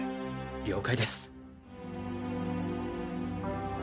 了解です。